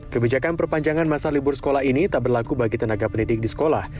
kebijakan perpanjangan masa libur sekolah ini tak berlaku bagi tenaga pendidik di sekolah